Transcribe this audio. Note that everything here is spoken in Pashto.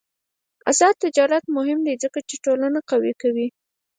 آزاد تجارت مهم دی ځکه چې ټولنه قوي کوي.